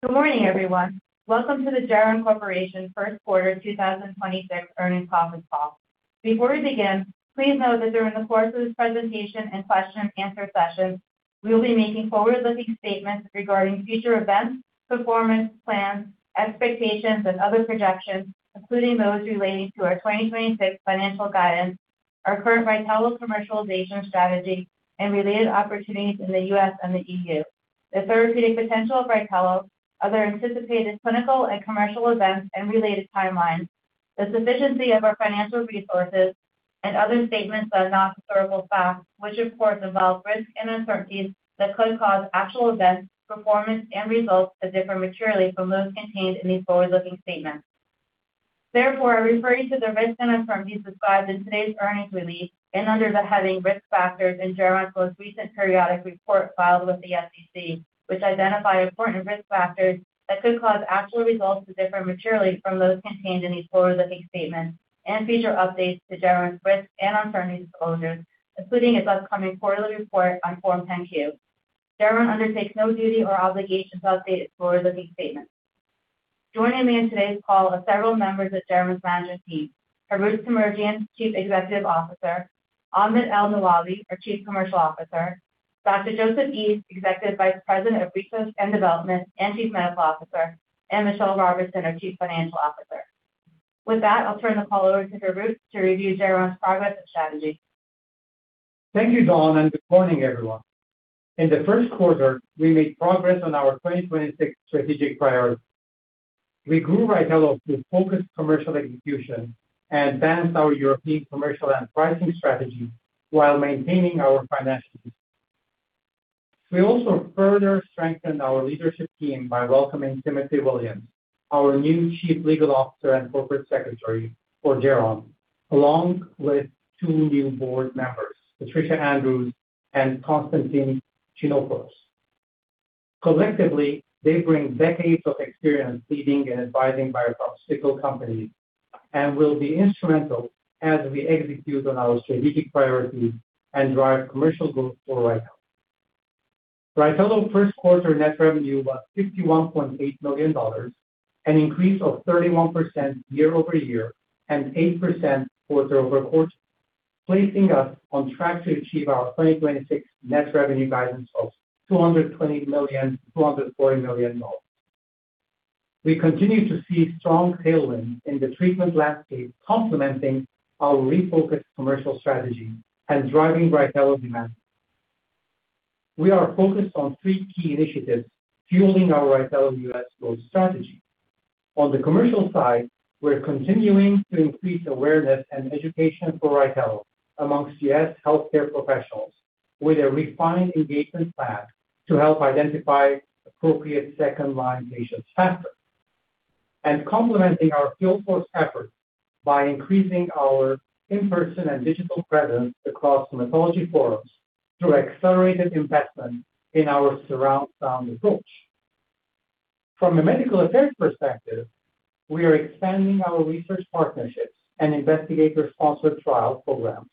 Good morning, everyone. Welcome to the Geron Corporation First Quarter 2026 Earnings Conference Call. Before we begin, please note that during the course of this presentation and question and answer session, we will be making forward-looking statements regarding future events, performance plans, expectations and other projections, including those relating to our 2026 financial guidance, our current RYTELO commercialization strategy and related opportunities in the U.S. and the E.U. The therapeutic potential of RYTELO, other anticipated clinical and commercial events and related timelines, the sufficiency of our financial resources and other statements that are not historical facts, which of course involve risks and uncertainties that could cause actual events, performance and results to differ materially from those contained in these forward-looking statements. Therefore, I refer you to the risk and uncertainties described in today's earnings release and under the heading Risk Factors in Geron's most recent periodic report filed with the SEC, which identify important risk factors that could cause actual results to differ materially from those contained in these forward-looking statements and future updates to Geron's risk and uncertainty disclosures, including its upcoming quarterly report on Form 10-Q. Geron undertakes no duty or obligation to update its forward-looking statements. Joining me on today's call are several members of Geron's management team. Harout Semerjian, Chief Executive Officer, Ahmed ElNawawi, our Chief Commercial Officer, Dr. Joseph Eid, Executive Vice President of Research and Development and Chief Medical Officer, and Michelle Robertson, our Chief Financial Officer. With that, I'll turn the call over to Harout to review Geron's progress and strategy. Thank you, Dawn, and good morning, everyone. In the first quarter, we made progress on our 2026 strategic priorities. We grew RYTELO through focused commercial execution and advanced our European commercial and pricing strategy while maintaining our financial discipline. We also further strengthened our leadership team by welcoming Timothy Williams, our new Chief Legal Officer and Corporate Secretary for Geron, along with two new board members, Patricia Andrews and Constantine Chinoporos. Collectively, they bring decades of experience leading and advising biotech and cycle companies, and will be instrumental as we execute on our strategic priorities and drive commercial growth for RYTELO. RYTELO first quarter net revenue was $61.8 million, an increase of 31% year-over-year and 8% quarter-over-quarter, placing us on track to achieve our 2026 net revenue guidance of $220 million-$240 million. We continue to see strong tailwinds in the treatment landscape complementing our refocused commercial strategy and driving RYTELO demand. We are focused on three key initiatives fueling our RYTELO U.S. growth strategy. On the commercial side, we're continuing to increase awareness and education for RYTELO amongst U.S. healthcare professionals with a refined engagement plan to help identify appropriate second-line patients faster. Complementing our field force efforts by increasing our in-person and digital presence across hematology forums through accelerated investment in our surround sound approach. From a medical affairs perspective, we are expanding our research partnerships and Investigator-Sponsored Trial program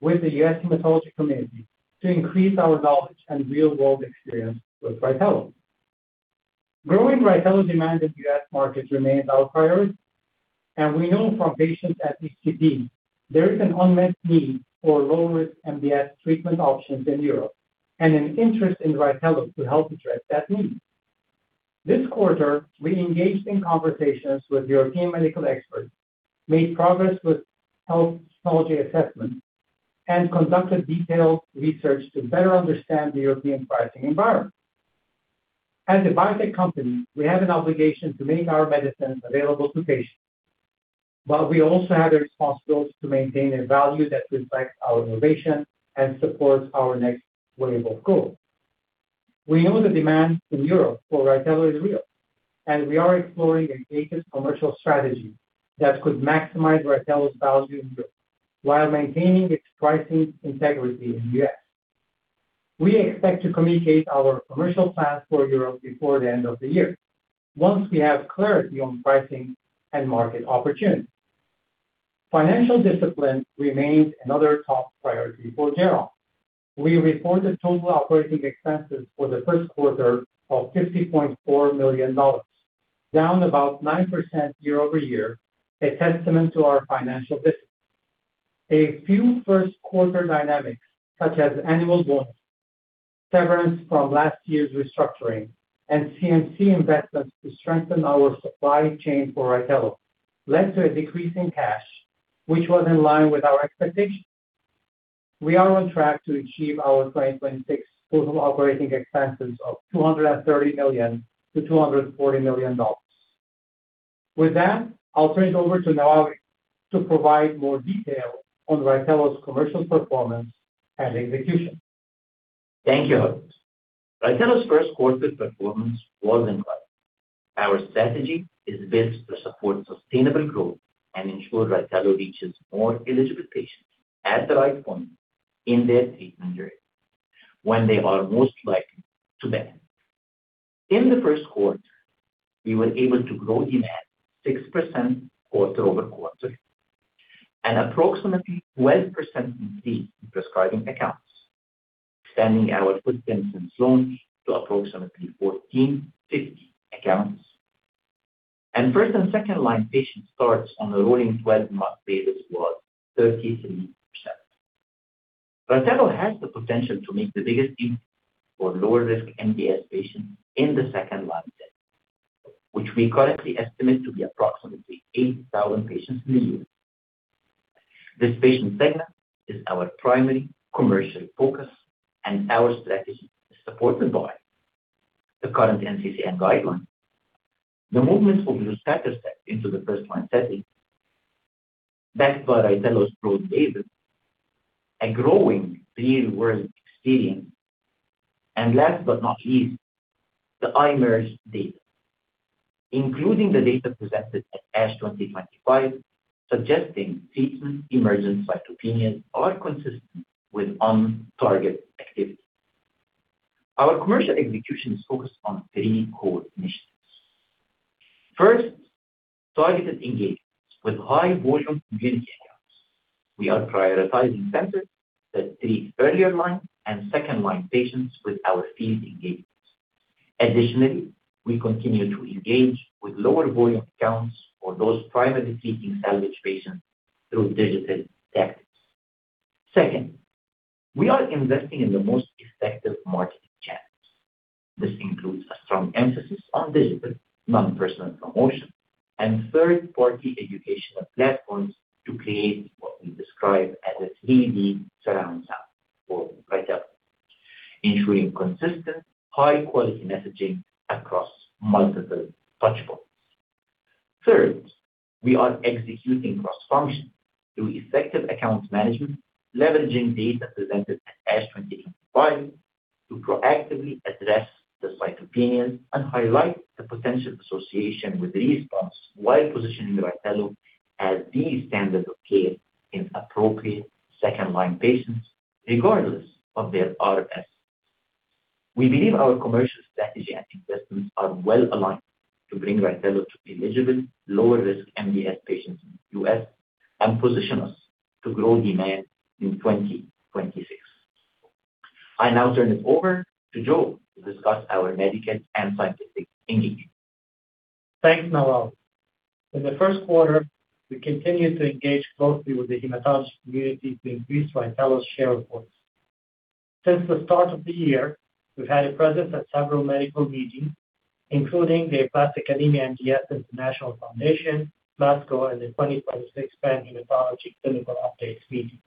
with the U.S. hematology community to increase our knowledge and real-world experience with RYTELO. Growing RYTELO demand in U.S. markets remains our priority. We know from patients at eCTD there is an unmet need for lower-risk MDS treatment options in Europe and an interest in RYTELO to help address that need. This quarter, we engaged in conversations with European medical experts, made progress with health technology assessment, and conducted detailed research to better understand the European pricing environment. As a biotech company, we have an obligation to make our medicines available to patients. We also have a responsibility to maintain a value that reflects our innovation and supports our next wave of growth. We know the demand in Europe for RYTELO is real, and we are exploring engaged commercial strategy that could maximize RYTELO's value in Europe while maintaining its pricing integrity in U.S. We expect to communicate our commercial plans for Europe before the end of the year once we have clarity on pricing and market opportunities. Financial discipline remains another top priority for Geron. We reported total operating expenses for the first quarter of $50.4 million, down about 9% year-over-year, a testament to our financial discipline. A few first quarter dynamics, such as annual bonus, severance from last year's restructuring and CMC investments to strengthen our supply chain for RYTELO led to a decrease in cash, which was in line with our expectations. We are on track to achieve our 2026 total operating expenses of $230 million-$240 million. With that, I'll turn it over to Nawawi to provide more detail on RYTELO's commercial performance and execution. Thank you, Harout. RYTELO's first quarter performance was impressive. Our strategy is built to support sustainable growth and ensure RYTELO reaches more eligible patients at the right point in their treatment journey when they are most likely to benefit. In the first quarter, we were able to grow demand 6% quarter-over-quarter and approximately 12% in the prescribing accounts, expanding our footprint since launch to approximately 1,450 accounts. First- and second-line patient starts on a rolling 12-month basis was 33%. RYTELO has the potential to make the biggest impact for lower risk MDS patients in the second-line setting, which we currently estimate to be approximately 8,000 patients in the U.S. This patient segment is our primary commercial focus, and our strategy is supported by the current NCCN guidelines. The movement of luspatercept into the first-line setting, backed by RYTELO's growth data, a growing real-world experience, and last but not least, the IMerge data, including the data presented at ASH 2025, suggesting treatment-emergent cytopenias are consistent with on-target activity. Our commercial execution is focused on three core initiatives. First, targeted engagements with high-volume community accounts. We are prioritizing centers that treat earlier-line and second-line patients with our field engagements. Additionally, we continue to engage with lower volume accounts for those privately seeking salvage patients through digital tactics. Second, we are investing in the most effective marketing channels. This includes a strong emphasis on digital, non-personal promotion, and third-party educational platforms to create what we describe as a 3-D surround sound for RYTELO, ensuring consistent, high-quality messaging across multiple touchpoints. Third, we are executing cross-function through effective account management, leveraging data presented at ASH 2025 to proactively address the cytopenias and highlight the potential association with response while positioning RYTELO as the standard of care in appropriate second-line patients, regardless of their RS. We believe our commercial strategy and investments are well-aligned to bring RYTELO to eligible lower-risk MDS patients in the U.S. and position us to grow demand in 2026. I now turn it over to Joe to discuss our medical and scientific engagement. Thanks, Nawawi. In the first quarter, we continued to engage closely with the hematology community to increase RYTELO's share of voice. Since the start of the year, we've had a presence at several medical meetings, including the Aplastic Anemia & MDS International Foundation, ASCO, and the 2026 Pan-Hematology Clinical Updates meeting.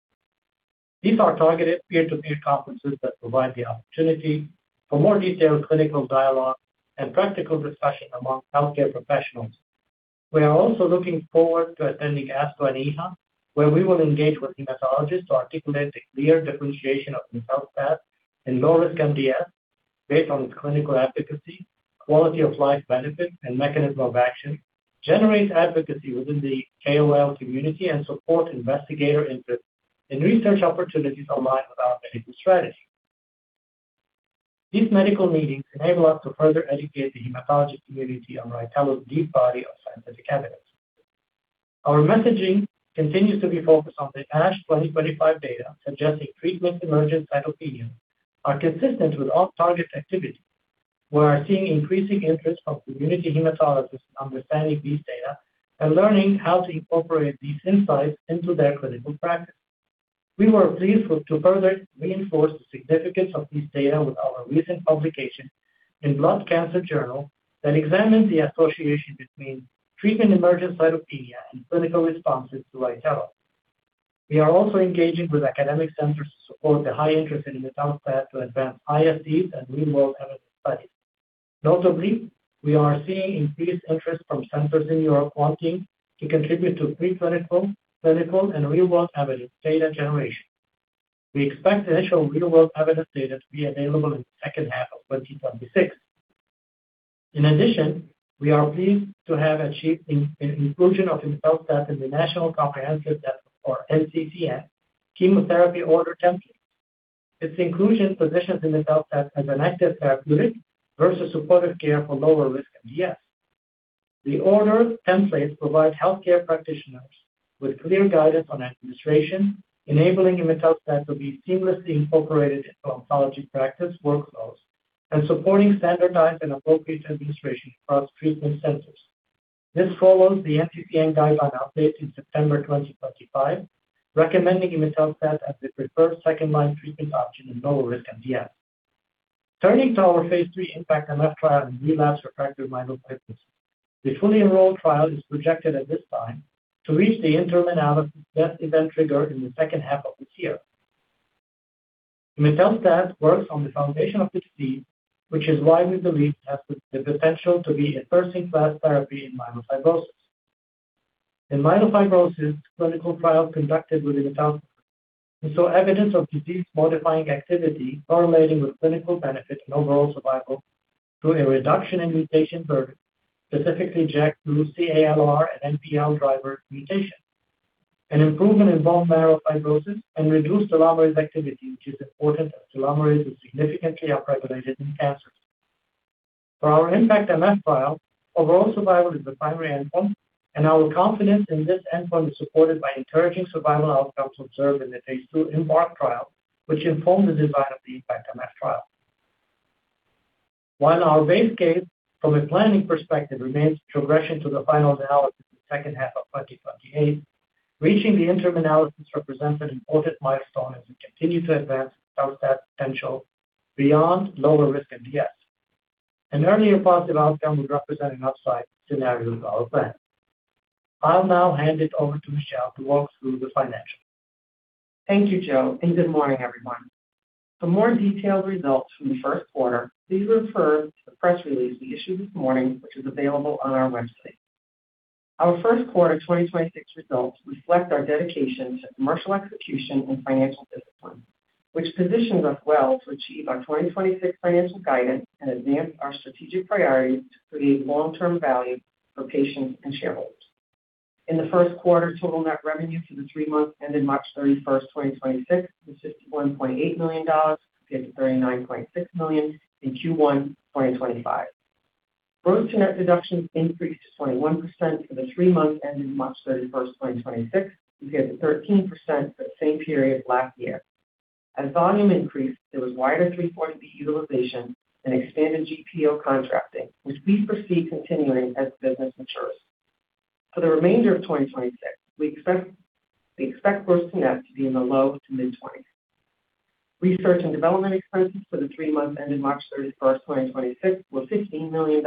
These are targeted peer-to-peer conferences that provide the opportunity for more detailed clinical dialogue and practical discussion among healthcare professionals. We are also looking forward to attending ASCO and EHA, where we will engage with hematologists to articulate the clear differentiation of imetelstat in low-risk MDS based on clinical efficacy, quality of life benefits, and mechanism of action, generate advocacy within the KOL community, and support investigator interest in research opportunities aligned with our medical strategy. These medical meetings enable us to further educate the hematology community on RYTELO's deep body of scientific evidence. Our messaging continues to be focused on the ASH 2025 data suggesting treatment-emergent cytopenias are consistent with off-target activity. We are seeing increasing interest from community hematologists in understanding these data and learning how to incorporate these insights into their clinical practice. We were pleased to further reinforce the significance of these data with our recent publication in Blood Cancer Journal that examines the association between treatment-emergent cytopenia and clinical responses to RYTELO. We are also engaging with academic centers to support the high interest in imetelstat to advance ISTs and real-world evidence studies. Notably, we are seeing increased interest from centers in Europe wanting to contribute to preclinical, clinical, and real-world evidence data generation. We expect initial real-world evidence data to be available in the second half of 2026. We are pleased to have achieved inclusion of imetelstat in the National Comprehensive Cancer Network, or NCCN, chemotherapy order template. Its inclusion positions imetelstat as an active therapeutic versus supportive care for lower-risk MDS. The order templates provide healthcare practitioners with clear guidance on administration, enabling imetelstat to be seamlessly incorporated into oncology practice workflows and supporting standardized and appropriate administration across treatment centers. This follows the NCCN guideline update in September 2025, recommending imetelstat as the preferred second-line treatment option in lower-risk MDS. Turning to our phase III IMpactMF trial in relapsed/refractory myelofibrosis. The fully enrolled trial is projected at this time to reach the interim analysis death event trigger in the second half of this year. Imetelstat works on the foundation of disease, which is why we believe it has the potential to be a first-in-class therapy in myelofibrosis. In myelofibrosis, clinical trials conducted with imetelstat saw evidence of disease-modifying activity correlating with clinical benefit and overall survival through a reduction in mutation burden, specifically JAK2, CALR, and MPL driver mutation. An improvement in bone marrow fibrosis and reduced telomerase activity, which is important as telomerase is significantly upregulated in cancers. For our IMpactMF trial, overall survival is the primary endpoint, and our confidence in this endpoint is supported by encouraging survival outcomes observed in the phase II IMbark trial, which informed the design of the IMpactMF trial. While our base case from a planning perspective remains progression to the final analysis in the second half of 2028, reaching the interim analysis represents an important milestone as we continue to advance the potential beyond lower-risk MDS. An earlier positive outcome would represent an upside scenario to our plan. I'll now hand it over to Michelle to walk through the financials. Thank you, Joe, and good morning, everyone. For more detailed results from the first quarter, please refer to the press release we issued this morning, which is available on our website. Our first quarter 2026 results reflect our dedication to commercial execution and financial discipline, which positions us well to achieve our 2026 financial guidance and advance our strategic priorities to create long-term value for patients and shareholders. In the first quarter, total net revenue for the three months ending March 31st, 2026 was $61.8 million compared to $39.6 million in Q1 2025. Gross-to-net reductions increased to 21% for the three months ending March 31st, 2026 compared to 13% for the same period last year. As volume increased, there was wider 340B utilization and expanded GPO contracting, which we foresee continuing as the business matures. For the remainder of 2026, we expect gross-to-net to be in the low to mid 20s. Research and development expenses for the three months ending March 31st, 2026 were $15 million,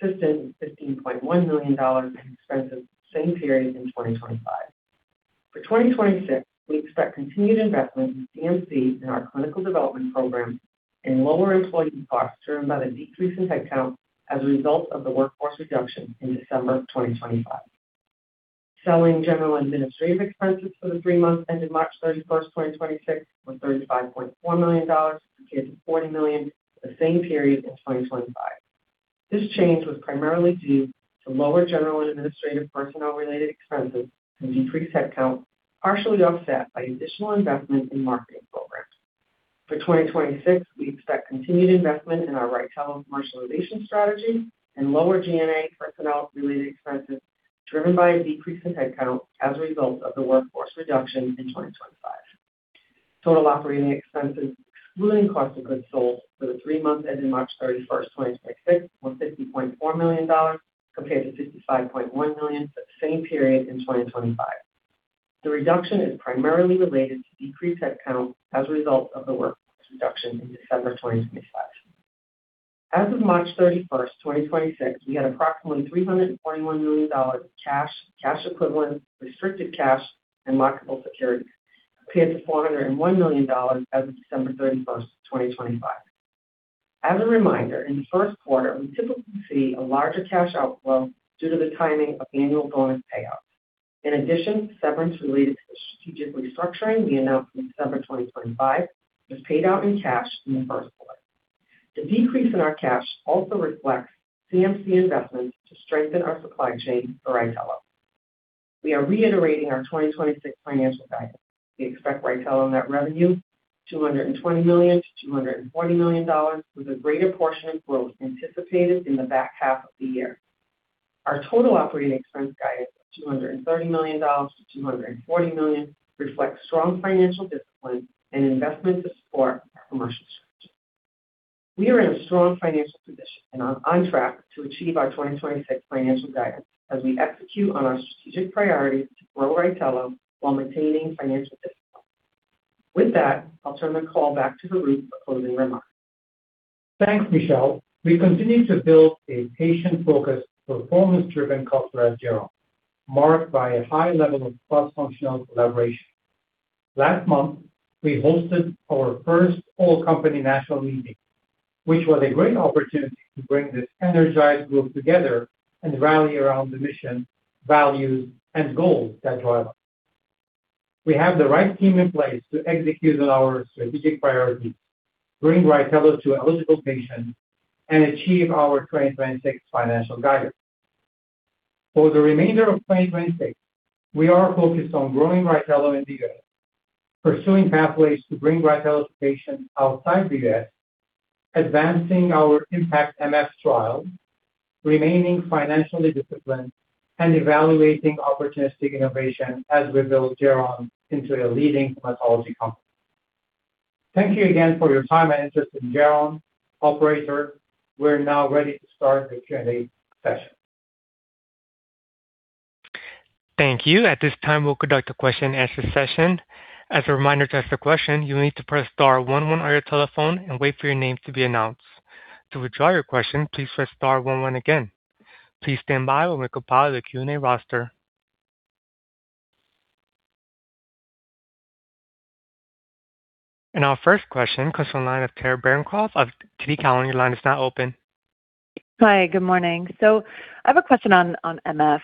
consistent with $15.1 million in expenses the same period in 2025. For 2026, we expect continued investment in CMC and our clinical development program and lower employee costs driven by the decrease in headcount as a result of the workforce reduction in December of 2025. Selling, general, and administrative expenses for the three months ending March 31st, 2026 were $35.4 million compared to $40 million for the same period in 2025. This change was primarily due to lower general and administrative personnel-related expenses and decreased headcount, partially offset by additional investment in marketing programs. For 2026, we expect continued investment in our RYTELO commercialization strategy and lower G&A personnel-related expenses driven by a decrease in headcount as a result of the workforce reduction in 2025. Total operating expenses, including cost of goods sold for the three months ending March 31st, 2026, were $50.4 million compared to $55.1 million for the same period in 2025. The reduction is primarily related to decreased headcount as a result of the workforce reduction in December 2025. As of March 31st, 2026, we had approximately $341 million in cash equivalents, restricted cash, and marketable securities compared to $401 million as of December 31st, 2025. As a reminder, in the first quarter, we typically see a larger cash outflow due to the timing of annual bonus payouts. In addition, severance related to the strategic restructuring we announced in December 2025 was paid out in cash in the first quarter. The decrease in our cash also reflects CMC investments to strengthen our supply chain for RYTELO. We are reiterating our 2026 financial guidance. We expect RYTELO net revenue $220 million-$240 million, with a greater portion of growth anticipated in the back half of the year. Our total operating expense guidance of $230 million-$240 million reflects strong financial discipline and investment to support our commercial strategy. We are in a strong financial position and are on track to achieve our 2026 financial guidance as we execute on our strategic priorities to grow RYTELO while maintaining financial discipline. With that, I'll turn the call back to Harout for closing remarks. Thanks, Michelle. We continue to build a patient-focused, performance-driven culture at Geron, marked by a high level of cross-functional collaboration. Last month, we hosted our first all-company national meeting, which was a great opportunity to bring this energized group together and rally around the mission, values, and goals that drive us. We have the right team in place to execute on our strategic priorities, bring RYTELO to eligible patients, and achieve our 2026 financial guidance. For the remainder of 2026, we are focused on growing RYTELO in the U.S., pursuing pathways to bring RYTELO to patients outside the U.S., advancing our IMpactMF trial, remaining financially disciplined, and evaluating opportunistic innovation as we build Geron into a leading hematology company. Thank you again for your time and interest in Geron. Operator, we're now ready to start the Q&A session. Thank you. At this time, we'll conduct a question and answer session. As a reminder to ask a question, you will need to press star one one on your telephone and wait for your name to be announced. To withdraw your question, please press star one one again. Please stand by while we compile the Q&A roster. Our first question comes from the line of Tara Bancroft of TD Cowen. Your line is now open. Hi. Good morning. I have a question on MF.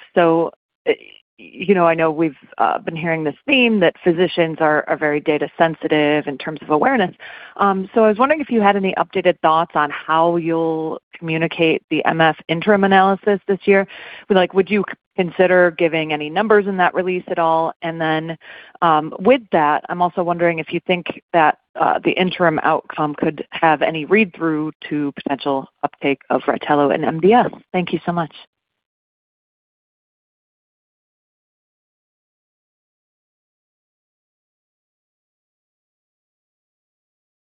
You know, I know we've been hearing this theme that physicians are very data sensitive in terms of awareness. I was wondering if you had any updated thoughts on how you'll communicate the MF interim analysis this year. Like, would you consider giving any numbers in that release at all? With that, I'm also wondering if you think that the interim outcome could have any read-through to potential uptake of RYTELO in MDS. Thank you so much.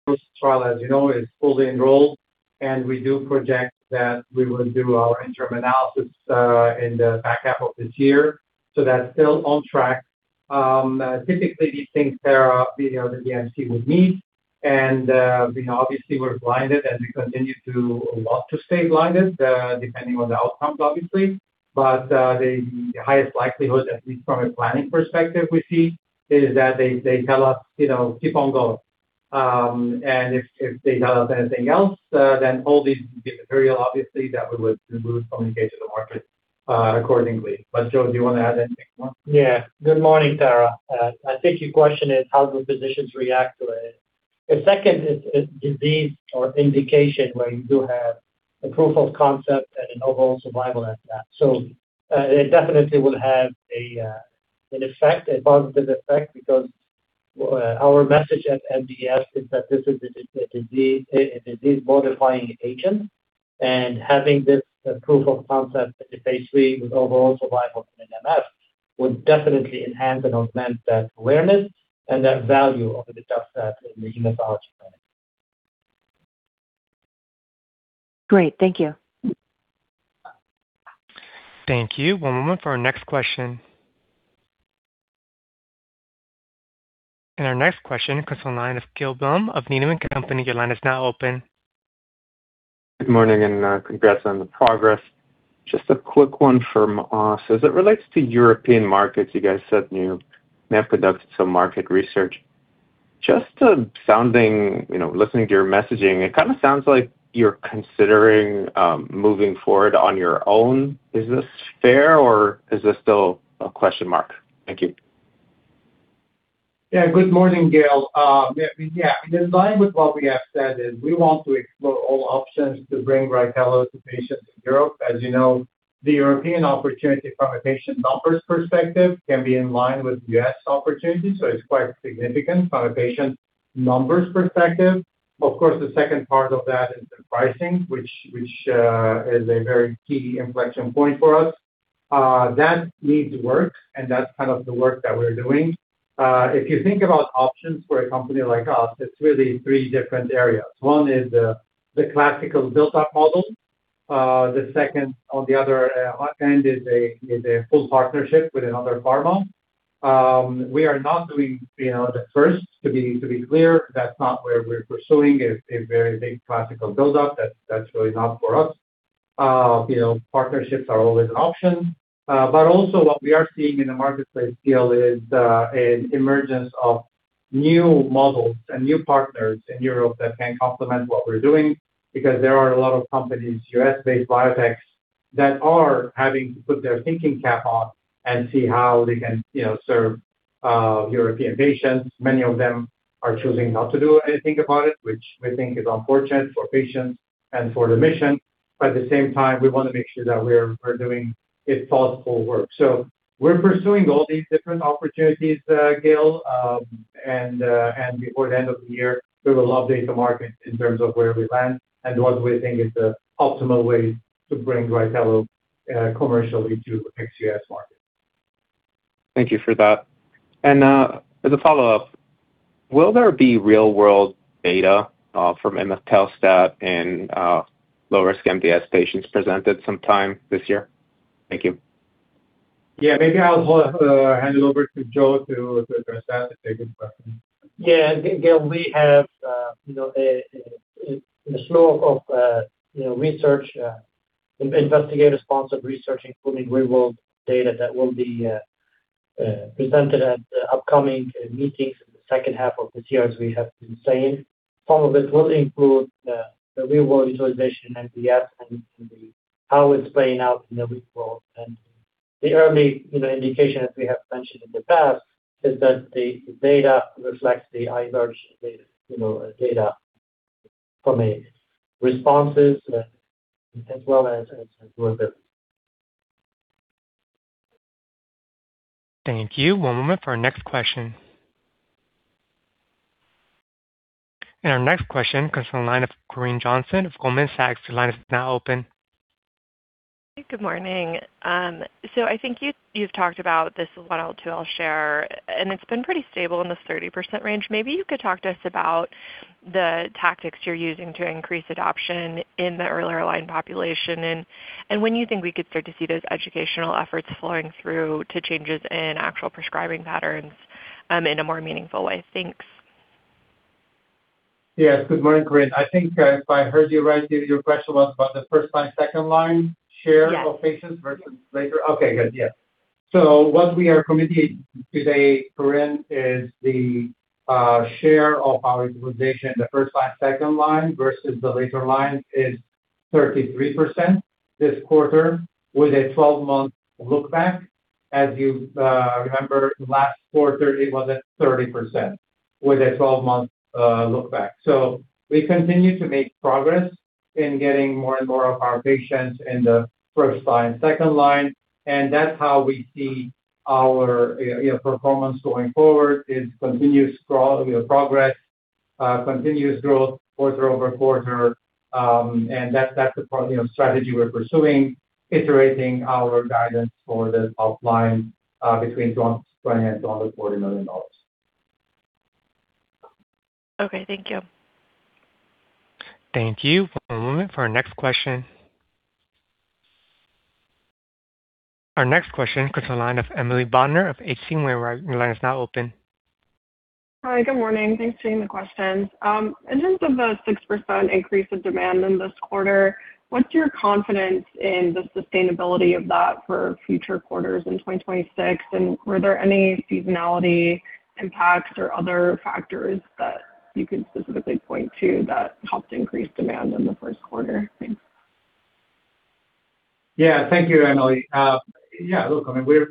IMpactMF trial, as you know, is fully enrolled, and we do project that we will do our interim analysis in the back half of this year. That's still on track. Typically these things, Tara, you know, the DMC would meet and, you know, obviously we're blinded, and we continue to want to stay blinded, depending on the outcomes obviously. The highest likelihood, at least from a planning perspective we see, is that they tell us, you know, "Keep on going." If, if they tell us anything else, then all these material, obviously, that we would communicate to the market accordingly. Joe, do you wanna add anything more? Yeah. Good morning, Tara. I think your question is how do physicians react to it? The second is disease or indication where you do have a proof of concept and an overall survival at that. It definitely will have an effect, a positive effect because our message at MDS is that this is a disease-modifying agent. Having this proof of concept at the phase III with overall survival from an MF would definitely enhance and augment that awareness and that value of the on it. Great. Thank you. Thank you. One moment for our next question. Our next question comes from the line of Gil Blum of Needham & Company. Your line is now open. Good morning, and congrats on the progress. Just a quick one from us. As it relates to European markets, you guys said you may have conducted some market research. Just, sounding, you know, listening to your messaging, it kinda sounds like you're considering, moving forward on your own. Is this fair, or is this still a question mark? Thank you. Yeah. Good morning, Gil. Yeah. In line with what we have said is we want to explore all options to bring RYTELO to patients in Europe. As you know, the European opportunity from a patient numbers perspective can be in line with U.S. opportunities, so it's quite significant from a patient numbers perspective. Of course, the second part of that is the pricing, which is a very key inflection point for us. That needs work, that's kind of the work that we're doing. If you think about options for a company like us, it's really three different areas. One is the classical built-up model. The second on the other end is a full partnership with another pharma. We are not doing, you know, the first, to be clear. That's not where we're pursuing a very big classical buildup. That's really not for us. You know, partnerships are always an option. But also what we are seeing in the marketplace, Gil, is an emergence of new models and new partners in Europe that can complement what we're doing because there are a lot of companies, U.S.-based biotechs, that are having to put their thinking cap on and see how they can, you know, serve European patients. Many of them are choosing not to do anything about it, which we think is unfortunate for patients and for the mission. But at the same time, we wanna make sure that we're doing a thoughtful work. We're pursuing all these different opportunities, Gil. Before the end of the year, we will update the market in terms of where we land and what we think is the optimal way to bring RYTELO commercially to ex-US markets. Thank you for that. As a follow-up, will there be real-world data from imetelstat and low-risk MDS patients presented sometime this year? Thank you. Yeah. Maybe I'll hand it over to Joe to address that. It's a good question. Yeah. Gil, we have, you know, a slew of, you know, research, investigator-sponsored research, including real-world data that will be presented at the upcoming meetings in the second half of this year, as we have been saying. Some of it will include the real-world utilization in MDS and how it's playing out in the real world. The early, you know, indication, as we have mentioned in the past, is that the data reflects the IMerge data from a responses, as well as. Thank you. One moment for our next question. Our next question comes from the line of Corinne Johnson of Goldman Sachs. Your line is now open. Good morning. I think you've talked about this one L2L share, and it's been pretty stable in the 30% range. Maybe you could talk to us about the tactics you're using to increase adoption in the earlier line population and when you think we could start to see those educational efforts flowing through to changes in actual prescribing patterns, in a more meaningful way. Thanks. Yes. Good morning, Corinne. I think if I heard you right, your question was about the first line, second line share- Yes. of patients versus later. Okay, good. Yeah. What we are communicating today, Corinne, is the share of our utilization in the first line, second line versus the later line is 33% this quarter with a 12-month look back. As you remember, last quarter, it was at 30% with a 12-month look back. We continue to make progress in getting more and more of our patients in the first line, second line, and that's how we see our, you know, performance going forward is continuous progress, continuous growth quarter-over-quarter. That's the part, you know, strategy we're pursuing, iterating our guidance for the top line, between $220 million and $240 million. Okay, thank you. Thank you. One moment for our next question. Our next question comes from the line of Emily Bodnar of H.C. Wainwright. Your line is now open. Hi, good morning. Thanks for taking the questions. In terms of the 6% increase of demand in this quarter, what's your confidence in the sustainability of that for future quarters in 2026? Were there any seasonality impacts or other factors that you could specifically point to that helped increase demand in the first quarter? Thanks. Yeah, thank you, Emily. Yeah, look, I mean, we're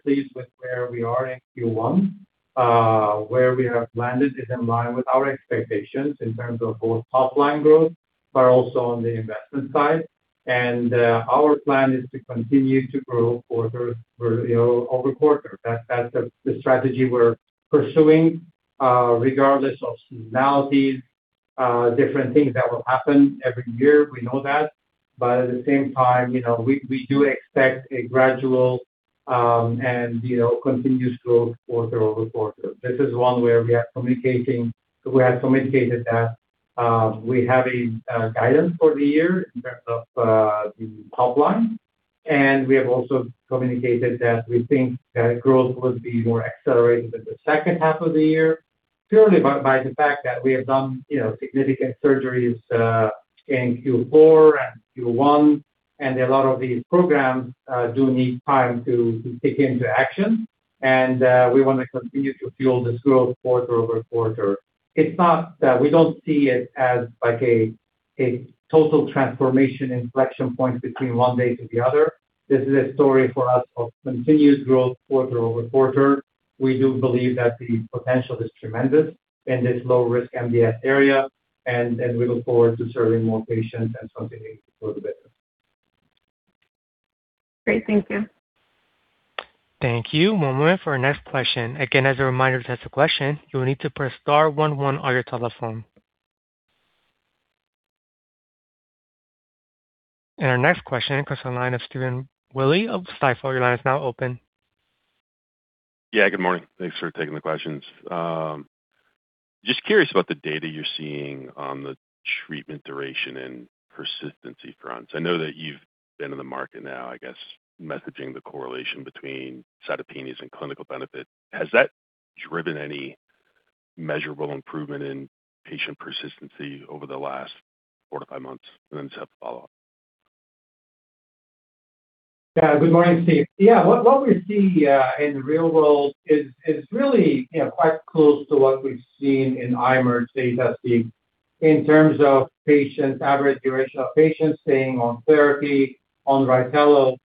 pleased with where we are in Q1. Where we have landed is in line with our expectations in terms of both top line growth, also on the investment side. Our plan is to continue to grow quarter, you know, over quarter. That's the strategy we're pursuing, regardless of seasonality, different things that will happen every year. We know that. At the same time, you know, we do expect a gradual, and, you know, continuous growth quarter-over-quarter. This is one way we have communicated that, we have a guidance for the year in terms of the top line. We have also communicated that we think that growth will be more accelerated in the second half of the year, purely by the fact that we have done, you know, significant surgeries in Q4 and Q1. A lot of these programs do need time to kick into action. We wanna continue to fuel this growth quarter-over-quarter. It's not that we don't see it as like a total transformation inflection point between one day to the other. This is a story for us of continuous growth quarter-over-quarter. We do believe that the potential is tremendous in this low-risk MDS area, and we look forward to serving more patients and continuing to grow the business. Great. Thank you. Thank you. One moment for our next question. Again, as a reminder, to ask a question, you will need to press star one one on your telephone. Our next question comes from the line of Stephen Willey of Stifel. Your line is now open. Yeah, good morning. Thanks for taking the questions. Just curious about the data you're seeing on the treatment duration and persistency fronts. I know that you've been in the market now, I guess, messaging the correlation between cytopenias and clinical benefit. Has that driven any measurable improvement in patient persistency over the last four to five months? Then I just have a follow-up. Good morning, Steve. What we see in the real world is really, you know, quite close to what we've seen in IMerge data, Steve, in terms of average duration of patients staying on therapy on RYTELO.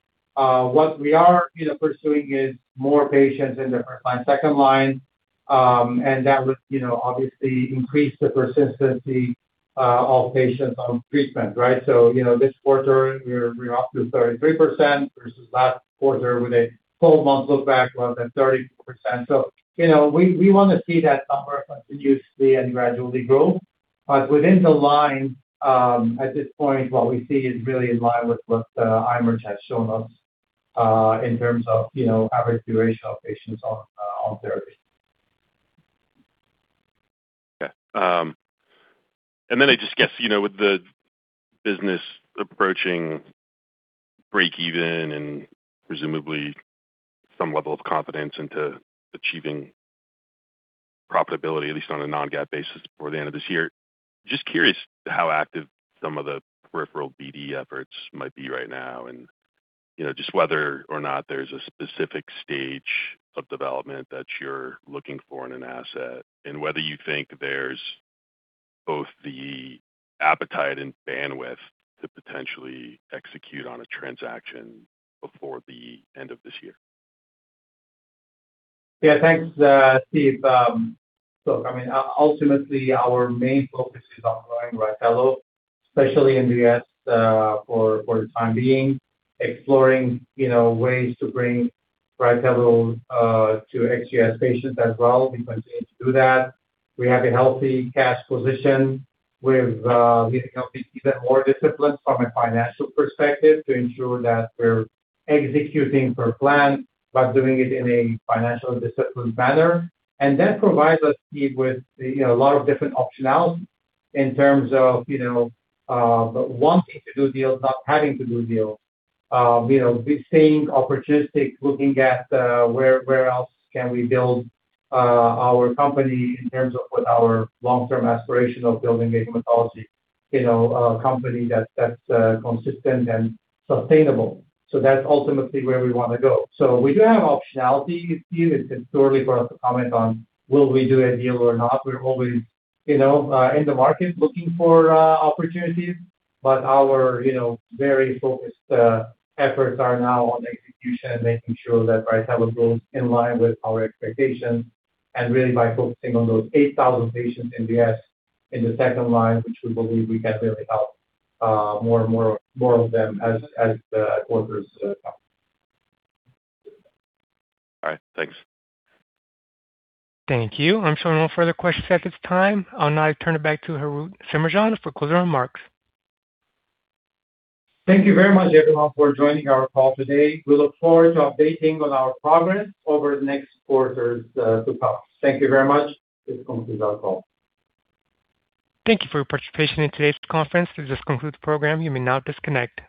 What we are, you know, pursuing is more patients in the first line, second line. That would, you know, obviously increase the persistency of patients on treatment, right? This quarter we're up to 33% versus last quarter with a full month look back was at 34%. We, you know, wanna see that number continuously and gradually grow. Within the line, at this point, what we see is really in line with what IMerge has shown us in terms of, you know, average duration of patients on therapy. Okay. Then I just guess, you know, with the business approaching break even and presumably some level of confidence into achieving profitability at least on a non-GAAP basis before the end of this year, just curious how active some of the peripheral BD efforts might be right now. You know, just whether or not there's a specific stage of development that you're looking for in an asset, and whether you think there's both the appetite and bandwidth to potentially execute on a transaction before the end of this year. Thanks, Steve. I mean, ultimately our main focus is on growing RYTELO, especially in the U.S. for the time being. Exploring, you know, ways to bring RYTELO to ex-US patients as well. We continue to do that. We have a healthy cash position. We've, we think I'll be even more disciplined from a financial perspective to ensure that we're executing per plan by doing it in a financial disciplined manner. That provides us, Steve, with, you know, a lot of different optionality in terms of, you know, wanting to do deals, not having to do deals. You know, staying opportunistic, looking at where else can we build our company in terms of what our long-term aspiration of building a hematology, you know, company that's consistent and sustainable. That's ultimately where we wanna go. We do have optionality, Steve. It's too early for us to comment on will we do a deal or not. We're always, you know, in the market looking for opportunities, but our, you know, very focused efforts are now on execution and making sure that RYTELO grows in line with our expectations and really by focusing on those 8,000 patients in the U.S. in the second line, which we believe we can really help more and more of them as the quarters come. All right. Thanks. Thank you. I'm showing no further questions at this time. I'll now turn it back to Harout Semerjian for closing remarks. Thank you very much, everyone, for joining our call today. We look forward to updating on our progress over the next quarters to come. Thank you very much. This concludes our call. Thank you for your participation in today's conference. This does conclude the program. You may now disconnect.